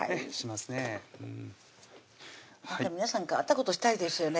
皆さん変わったことしたいですよね